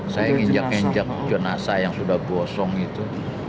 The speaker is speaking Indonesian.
saya nginjak injak jenazah yang sudah bosong itu